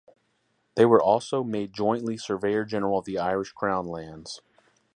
They were also made jointly Surveyor General of the Irish Crown lands.